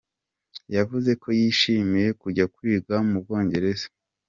Yavuze ko yishimiye kujya kwiga mu Bwongereza.